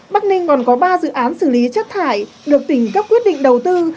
bắc ninh còn có ba dự án xử lý chất thải được tỉnh cấp quyết định đầu tư